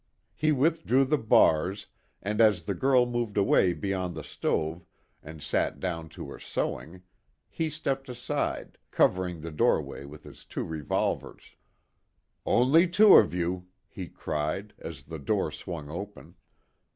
He withdrew the bars, and as the girl moved away beyond the stove, and sat down to her sewing, he stepped aside, covering the doorway with his two revolvers. "Only two of you!" he cried, as the door swung open.